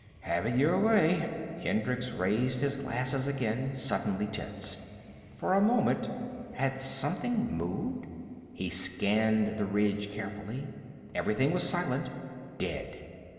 "Have it your way." Hendricks raised his glasses again, suddenly tense. For a moment had something moved? He scanned the ridge carefully. Everything was silent. Dead.